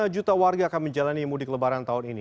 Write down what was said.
dua puluh juta warga akan menjalani mudik lebaran tahun ini